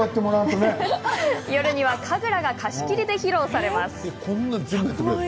夜には神楽が貸し切りで披露されます。